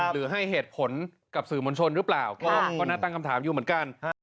หรือให้เหตุผลกับสื่อมวลชนหรือเปล่าก็น่าตั้งคำถามอยู่เหมือนกัน